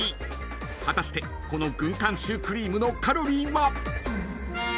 ［果たしてこの軍艦シュークリームのカロリーは？］